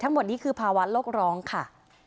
ทั้งหมดนี้คือภาวะโลกร้องค่ะ